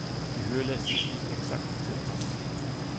Die Höhe lässt sich nicht exakt beziffern.